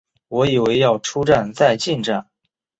我以为要出站再进站